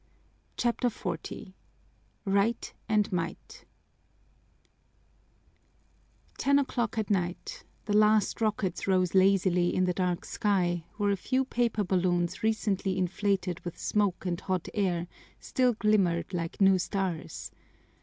CHAPTER XL Right and Might Ten o'clock at night: the last rockets rose lazily in the dark sky where a few paper balloons recently inflated with smoke and hot air still glimmered like new stars.